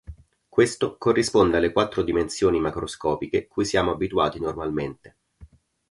Questo corrisponde alle quattro dimensioni macroscopiche cui siamo abituati normalmente.